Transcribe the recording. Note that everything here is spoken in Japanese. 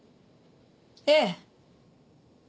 ええ。